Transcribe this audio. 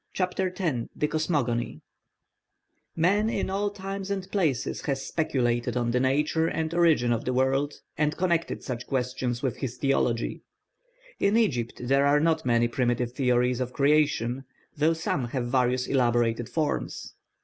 CHAPTER X THE COSMOGONY Man in all times and places has speculated on the nature and origin of the world, and connected such questions with his theology. In Egypt there are not many primitive theories of creation, though some have various elaborated forms.